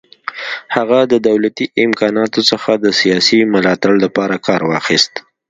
هغه د دولتي امکاناتو څخه د سیاسي ملاتړ لپاره کار واخیست.